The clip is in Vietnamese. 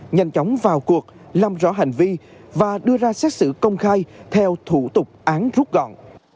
nhanh chóng vào cuộc làm rõ hành vi và đưa ra xét xử công khai theo thủ tục án rút gọn